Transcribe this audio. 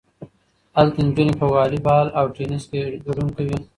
هلته نجونې په والی بال او ټینس کې ګډون کوي.